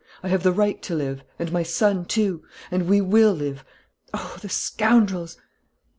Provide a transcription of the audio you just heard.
I have the right to live ... and my son, too.... And we will live.... Oh, the scoundrels!